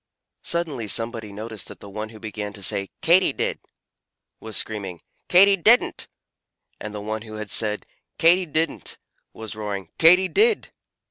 Suddenly somebody noticed that the one who began to say "Katy did!" was screaming "Katy didn't!" and the one who had said "Katy didn't!" was roaring "Katy did!"